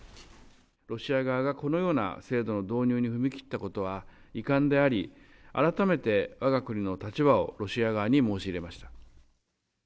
ロシア側がこのような制度の導入に踏み切ったことは遺憾であり、改めてわが国の立場をロシア側に申し入れました。